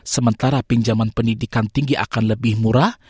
sementara pinjaman pendidikan tinggi akan lebih murah